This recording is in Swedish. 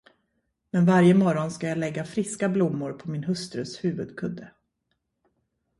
Men varje morgon ska jag lägga friska blommor på min hustrus huvudkudde.